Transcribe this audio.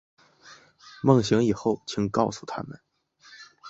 梦醒以后请告诉他们